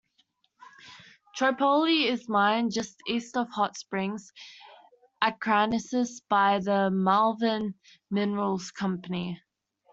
Tripoli is mined just east of Hot Springs, Arkansas by Malvern Minerals Company.